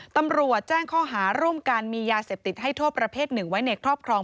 ตำรวจแจ้งข้อหาร่วมกันมียาเสพติดให้โทษประเภทหนึ่งไว้ในครอบครอง